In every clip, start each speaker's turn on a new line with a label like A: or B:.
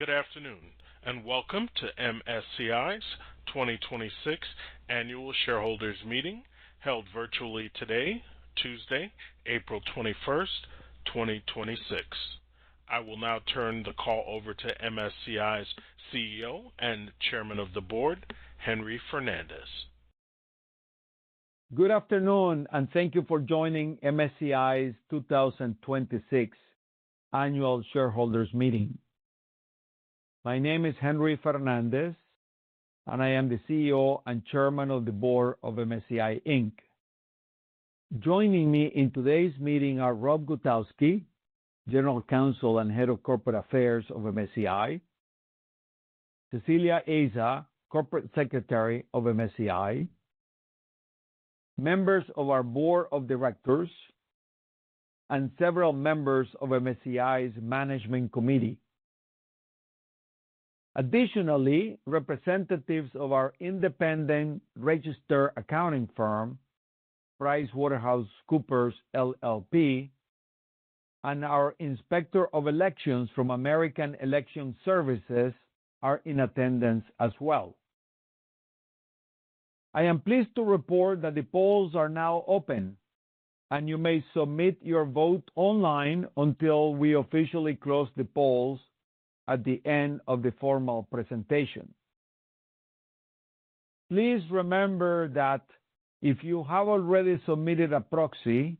A: Good afternoon, and welcome to MSCI's 2026 annual shareholders meeting, held virtually today, Tuesday, April 21st, 2026. I will now turn the call over to MSCI's CEO and Chairman of the Board, Henry Fernandez.
B: Good afternoon, and thank you for joining MSCI's 2026 annual shareholders meeting. My name is Henry Fernandez, and I am the CEO and Chairman of the Board of MSCI Inc. Joining me in today's meeting are Rob Gutowski, General Counsel and Head of Corporate Affairs of MSCI, Cecilia Aza, Corporate Secretary of MSCI, members of our board of directors, and several members of MSCI's management committee. Additionally, representatives of our independent registered accounting firm, PricewaterhouseCoopers LLP, and our Inspector of Elections from American Election Services are in attendance as well. I am pleased to report that the polls are now open, and you may submit your vote online until we officially close the polls at the end of the formal presentation. Please remember that if you have already submitted a proxy,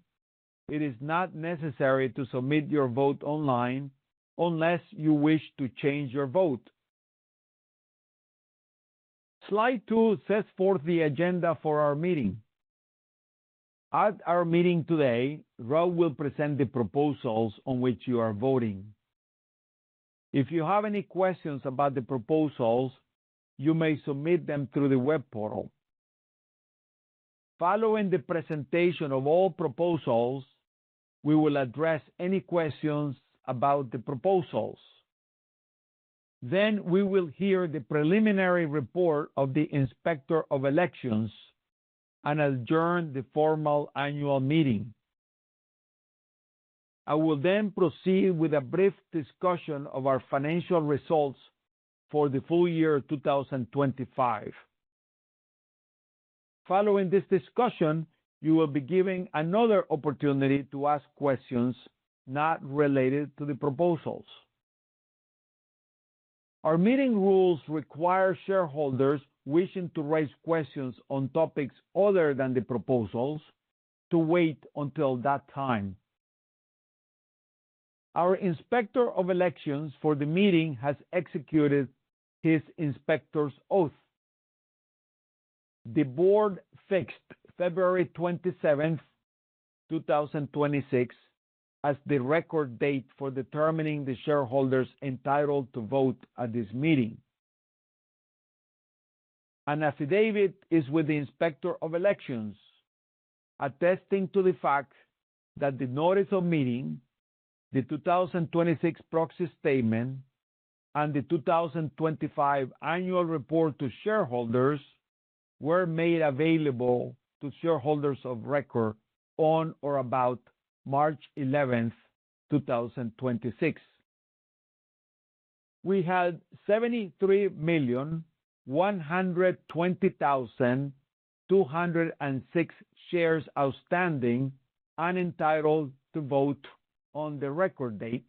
B: it is not necessary to submit your vote online unless you wish to change your vote. Slide two sets forth the agenda for our meeting. At our meeting today, Rob will present the proposals on which you are voting. If you have any questions about the proposals, you may submit them through the web portal. Following the presentation of all proposals, we will address any questions about the proposals. We will hear the preliminary report of the Inspector of Elections and adjourn the formal annual meeting. I will then proceed with a brief discussion of our financial results for the full year 2025. Following this discussion, you will be given another opportunity to ask questions not related to the proposals. Our meeting rules require shareholders wishing to raise questions on topics other than the proposals to wait until that time. Our Inspector of Elections for the meeting has executed his inspector's oath. The board fixed February 27th, 2026, as the record date for determining the shareholders entitled to vote at this meeting. An affidavit is with the Inspector of Elections attesting to the fact that the notice of meeting, the 2026 proxy statement, and the 2025 annual report to shareholders were made available to shareholders of record on or about March 11th, 2026. We had 73,120,206 shares outstanding and entitled to vote on the record date.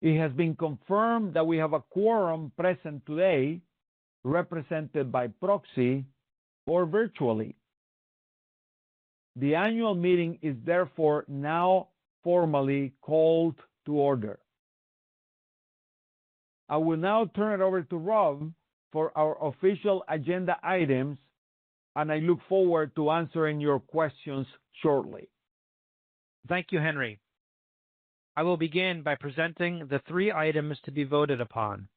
B: It has been confirmed that we have a quorum present today, represented by proxy or virtually. The annual meeting is therefore now formally called to order. I will now turn it over to Rob for our official agenda items, and I look forward to answering your questions shortly.
C: Thank you, Henry. I will begin by presenting the three items to be voted upon.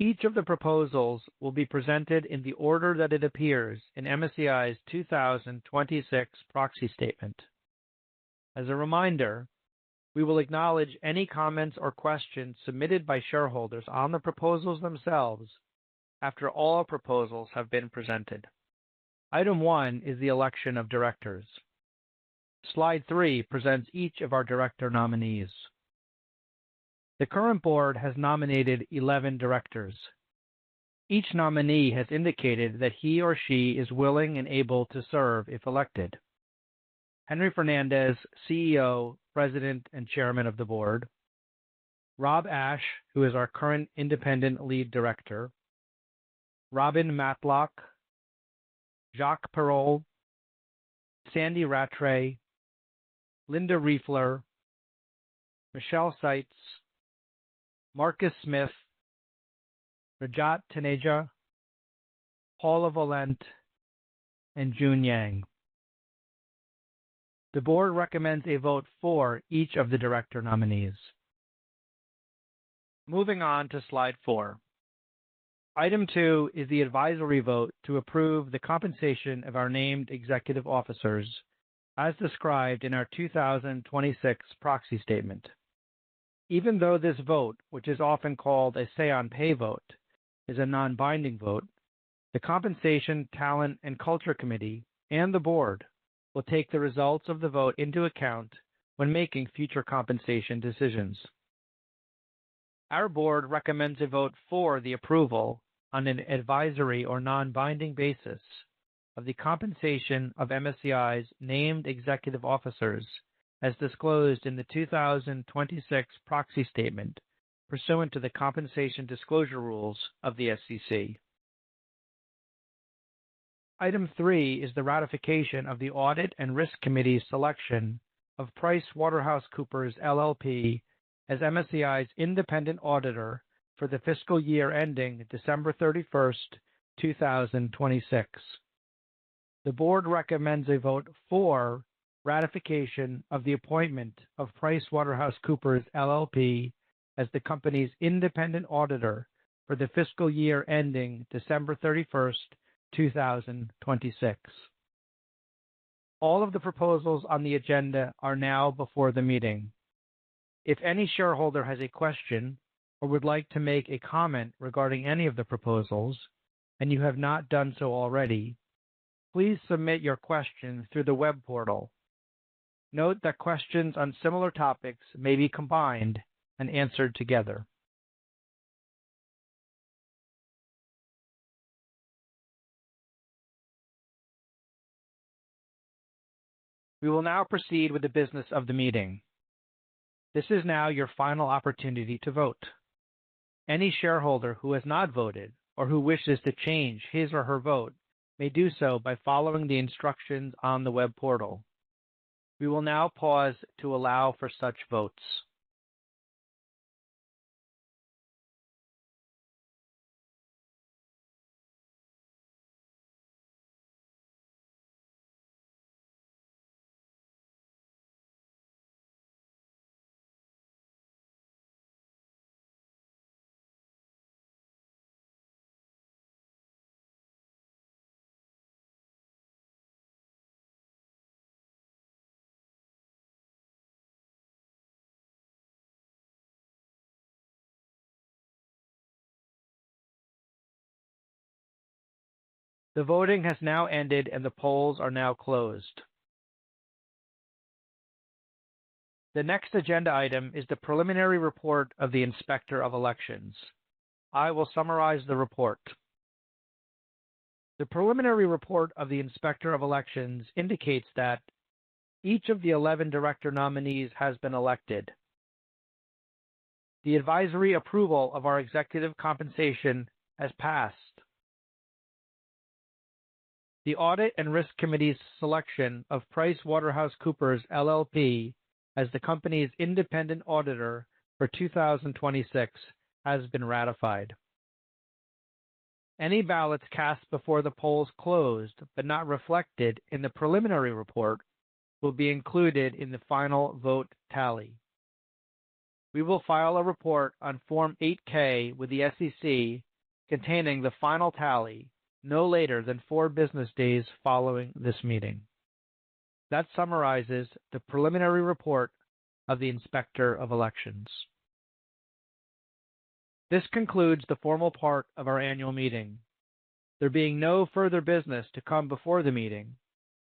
C: Each of the proposals will be presented in the order that it appears in MSCI's 2026 proxy statement. As a reminder, we will acknowledge any comments or questions submitted by shareholders on the proposals themselves after all proposals have been presented. Item one is the election of directors. Slide three presents each of our director nominees. The current board has nominated 11 directors. Each nominee has indicated that he or she is willing and able to serve if elected. Henry Fernandez, CEO, President, and Chairman of the Board, Rob Ashe, who is our current independent Lead Director, Robin Matlock, Jacque Perold, Sandy Rattray, Linda Riefler, Michelle Seitz, Marcus Smith, Rajat Taneja, Paula Volent, and June Yang. The board recommends a vote for each of the director nominees. Moving on to slide four. Item two is the advisory vote to approve the compensation of our named executive officers as described in our 2026 proxy statement. Even though this vote, which is often called a say on pay vote, is a non-binding vote. The Compensation, Talent and Culture Committee and the board will take the results of the vote into account when making future compensation decisions. Our board recommends a vote for the approval on an advisory or non-binding basis of the compensation of MSCI's named executive officers, as disclosed in the 2026 proxy statement pursuant to the compensation disclosure rules of the SEC. Item three is the ratification of the Audit and Risk Committee's selection of PricewaterhouseCoopers LLP as MSCI's independent auditor for the fiscal year ending December 31st, 2026. The board recommends a vote for ratification of the appointment of PricewaterhouseCoopers LLP as the company's independent auditor for the fiscal year ending December 31st, 2026. All of the proposals on the agenda are now before the meeting. If any shareholder has a question or would like to make a comment regarding any of the proposals, and you have not done so already, please submit your question through the web portal. Note that questions on similar topics may be combined and answered together. We will now proceed with the business of the meeting. This is now your final opportunity to vote. Any shareholder who has not voted or who wishes to change his or her vote may do so by following the instructions on the web portal. We will now pause to allow for such votes. The voting has now ended, and the polls are now closed. The next agenda item is the preliminary report of the Inspector of Elections. I will summarize the report. The preliminary report of the Inspector of Elections indicates that each of the 11 director nominees has been elected. The advisory approval of our executive compensation has passed. The Audit and Risk Committee's selection of PricewaterhouseCoopers LLP as the company's independent auditor for 2026 has been ratified. Any ballots cast before the polls closed but not reflected in the preliminary report will be included in the final vote tally. We will file a report on Form 8-K with the SEC containing the final tally no later than four business days following this meeting. That summarizes the preliminary report of the Inspector of Elections. This concludes the formal part of our annual meeting. There being no further business to come before the meeting,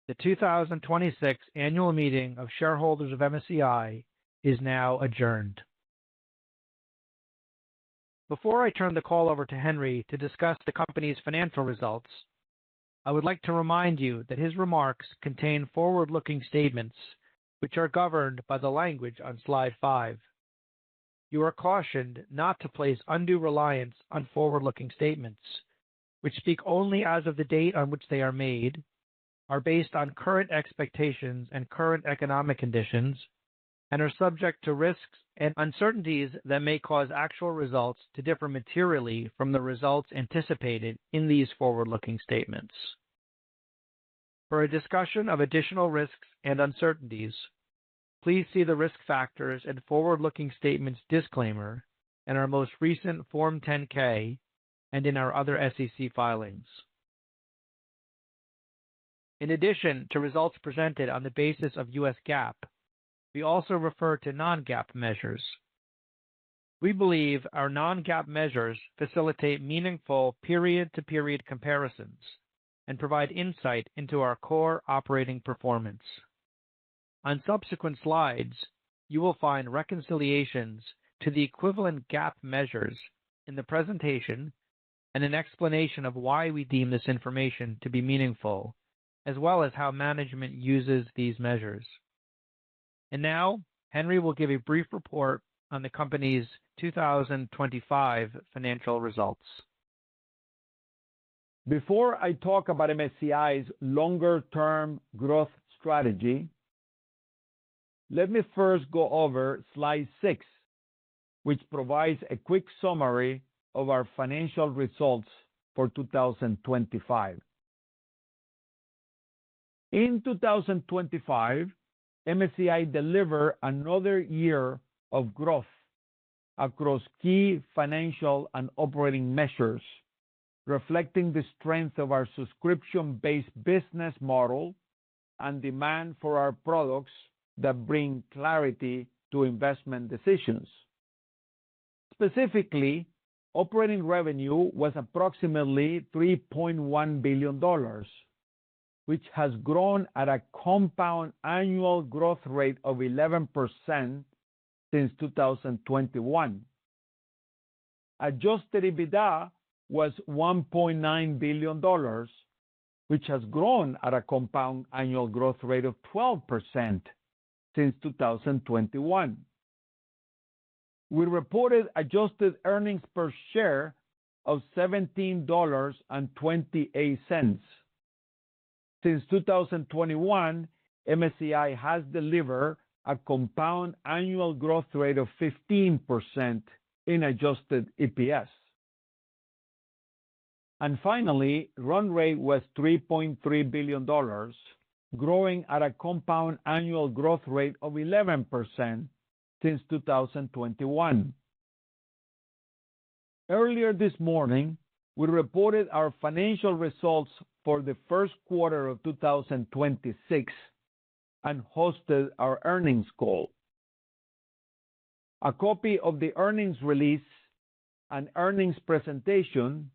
C: the 2026 annual meeting of shareholders of MSCI is now adjourned. Before I turn the call over to Henry to discuss the company's financial results, I would like to remind you that his remarks contain forward-looking statements, which are governed by the language on slide five. You are cautioned not to place undue reliance on forward-looking statements, which speak only as of the date on which they are made, are based on current expectations and current economic conditions, and are subject to risks and uncertainties that may cause actual results to differ materially from the results anticipated in these forward-looking statements. For a discussion of additional risks and uncertainties, please see the Risk Factors and Forward-Looking Statements Disclaimer in our most recent Form 10-K, and in our other SEC filings. In addition to results presented on the basis of U.S. GAAP, we also refer to non-GAAP measures. We believe our non-GAAP measures facilitate meaningful period-to-period comparisons and provide insight into our core operating performance. On subsequent slides, you will find reconciliations to the equivalent GAAP measures in the presentation and an explanation of why we deem this information to be meaningful, as well as how management uses these measures. Now Henry will give a brief report on the company's 2025 financial results.
B: Before I talk about MSCI's longer-term growth strategy, let me first go over slide six, which provides a quick summary of our financial results for 2025. In 2025, MSCI delivered another year of growth across key financial and operating measures, reflecting the strength of our subscription-based business model and demand for our products that bring clarity to investment decisions. Specifically, operating revenue was approximately $3.1 billion, which has grown at a compound annual growth rate of 11% since 2021. Adjusted EBITDA was $1.9 billion, which has grown at a compound annual growth rate of 12% since 2021. We reported adjusted earnings per share of $17.28. Since 2021, MSCI has delivered a compound annual growth rate of 15% in adjusted EPS. Finally, run rate was $3.3 billion, growing at a compound annual growth rate of 11% since 2021. Earlier this morning, we reported our financial results for the first quarter of 2026 and hosted our earnings call. A copy of the earnings release and earnings presentation,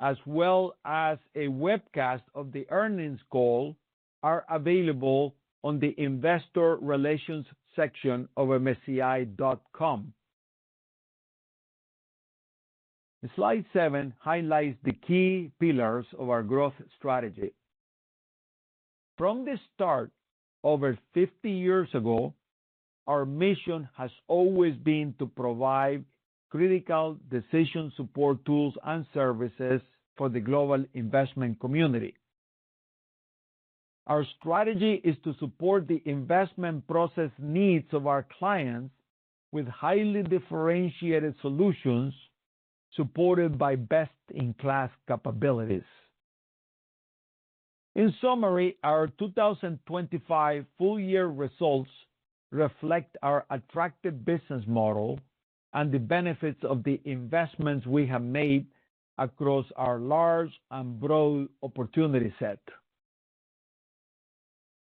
B: as well as a webcast of the earnings call, are available on the investor relations section of msci.com. Slide seven highlights the key pillars of our growth strategy. From the start, over 50 years ago, our mission has always been to provide critical decision support tools and services for the global investment community. Our strategy is to support the investment process needs of our clients with highly differentiated solutions, supported by best-in-class capabilities. In summary, our 2025 full year results reflect our attractive business model and the benefits of the investments we have made across our large and broad opportunity set.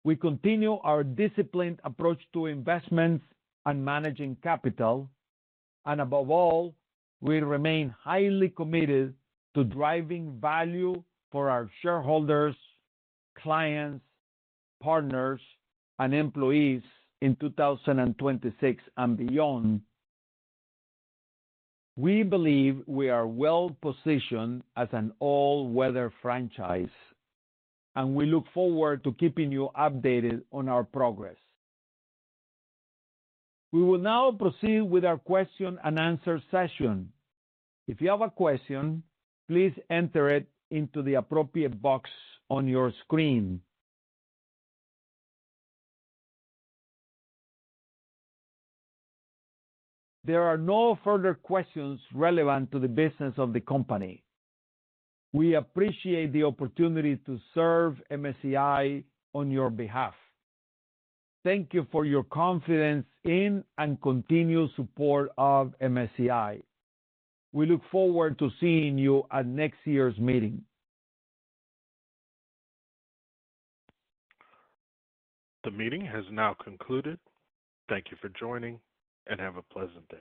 B: We continue our disciplined approach to investments and managing capital, and above all, we remain highly committed to driving value for our shareholders, clients, partners, and employees in 2026 and beyond. We believe we are well-positioned as an all-weather franchise, and we look forward to keeping you updated on our progress. We will now proceed with our question and answer session. If you have a question, please enter it into the appropriate box on your screen. There are no further questions relevant to the business of the company. We appreciate the opportunity to serve MSCI on your behalf. Thank you for your confidence in and continued support of MSCI. We look forward to seeing you at next year's meeting.
A: The meeting has now concluded. Thank you for joining, and have a pleasant day.